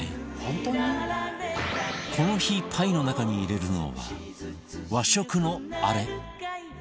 この日パイの中に入れるのは和食のあれ